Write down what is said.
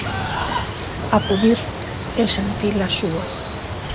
Acudir e sentila súa.